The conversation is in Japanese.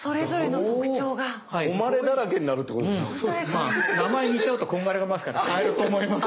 まあ名前似ちゃうとこんがらがりますから変えると思いますけど。